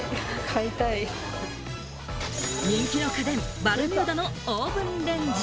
人気の家電・バルミューダのオーブンレンジ。